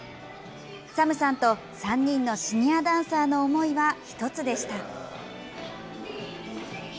ＳＡＭさんと３人のシニアダンサーの思いは一つでした。